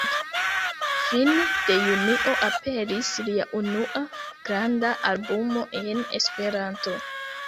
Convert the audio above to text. Fine de junio aperis lia unua granda albumo en Esperanto.